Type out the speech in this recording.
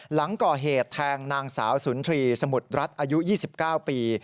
หลังก่อเหตุแทงนางสาวสุนทรีย์สมุทรรัฐอายุ๒๙ปี